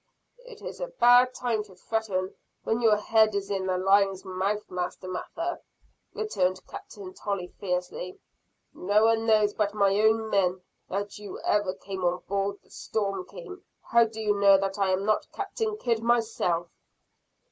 "It is a bad time to threaten, when your head is in the lion's mouth, Master Mather," returned Captain Tolley fiercely. "No one knows but my own men that you ever came on board the 'Storm King.' How do you know that I am not Captain Kidd himself?"